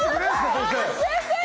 先生！